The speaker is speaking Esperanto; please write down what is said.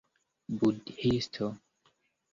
budhisto